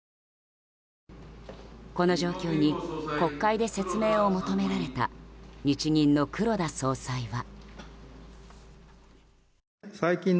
この状況に国会で説明を求められた日銀の黒田総裁は。